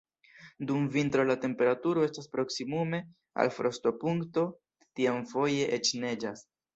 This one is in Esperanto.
Dum vintro la temperaturo estas proksimume al frostopunkto, tiam foje eĉ neĝas.